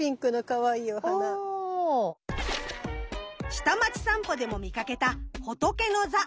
「下町さんぽ」でも見かけたホトケノザ。